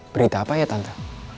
berita apa ya tante